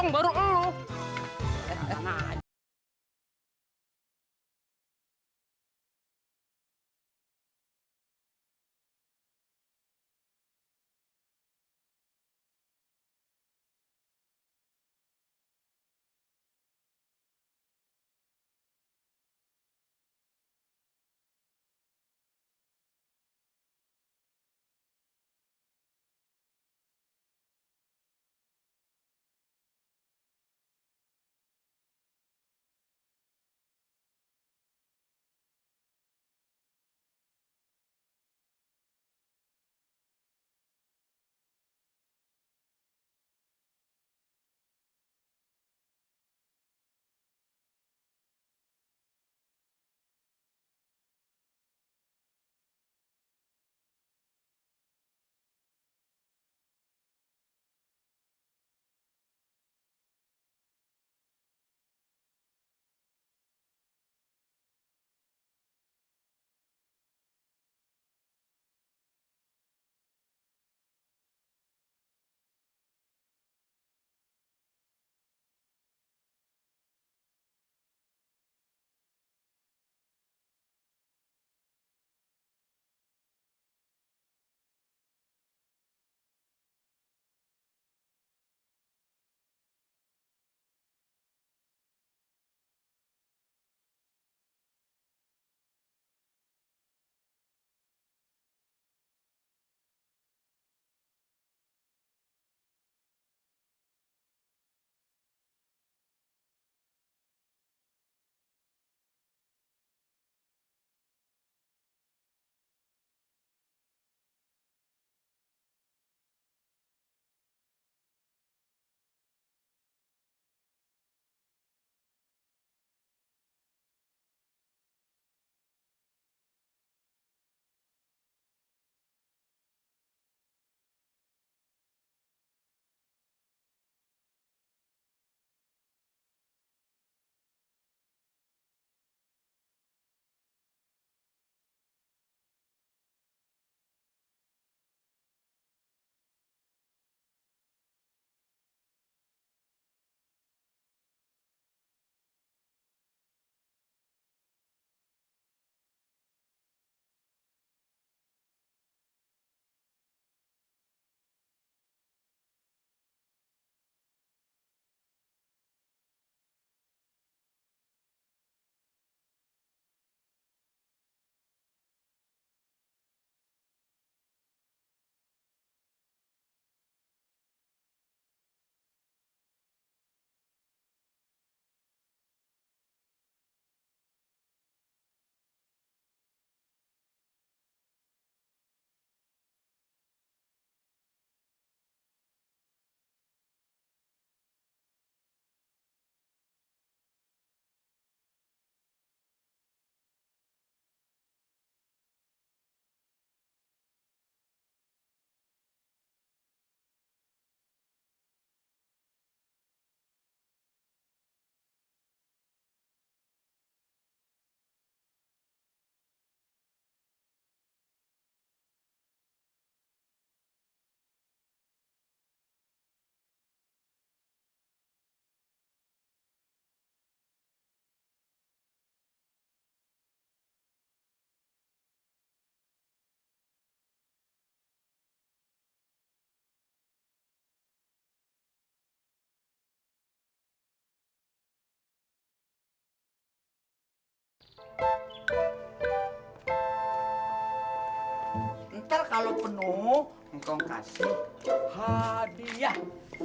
ntar kalo penuh engkau kasih hadiah